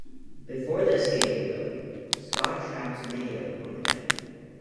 Before the escape, though, Scott traps Mahia on deck.